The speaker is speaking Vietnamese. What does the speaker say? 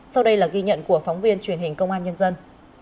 sau đây là ghi nhận của phóng viên truyền hình công an nhân dân